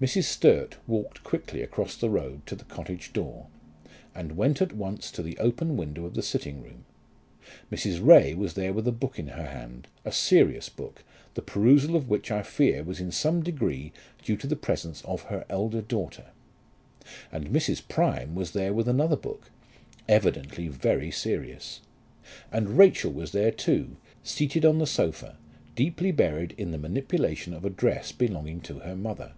Mrs. Sturt walked quickly across the road to the cottage door, and went at once to the open window of the sitting room. Mrs. Ray was there with a book in her hand, a serious book, the perusal of which I fear was in some degree due to the presence of her elder daughter; and Mrs. Prime was there with another book, evidently very serious; and Rachel was there too, seated on the sofa, deeply buried in the manipulation of a dress belonging to her mother.